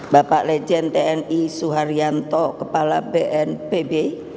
bapak legend tni suharyanto kepala bnpb